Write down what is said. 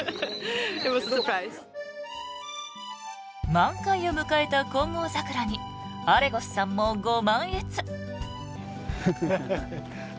満開を迎えた金剛桜にアレゴスさんもご満悦。